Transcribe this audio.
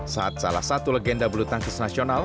saat salah satu legenda bulu tangkis nasional